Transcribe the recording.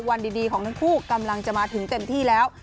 วันดีของทั้งคู่กำลังจะมาถึงเต็มที่แล้ว